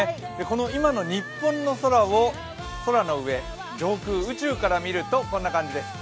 今の日本の空を、空の上、上空、宇宙から見るとこんな感じです。